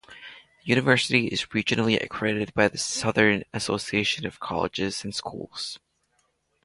The university is regionally accredited by the Southern Association of Colleges and Schools.